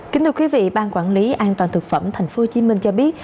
kính thưa quý vị ban quản lý an toàn thực phẩm tp hcm cho biết